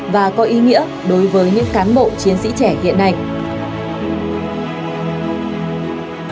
và có ý nghĩa đối với những cán bộ chiến sĩ trẻ hiện nay